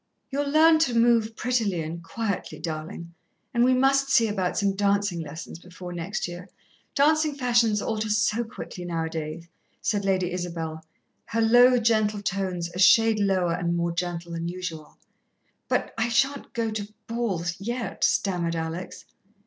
"You'll learn to move prettily and quietly, darling, and we must see about some dancin' lessons before next year. Dancin' fashions alter so quickly now a days," said Lady Isabel, her low, gentle tones a shade lower and more gentle than usual. "But I shan't go to balls yet," stammered Alex.